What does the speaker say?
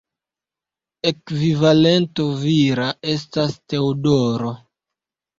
Ekvivalento vira estas Teodoro.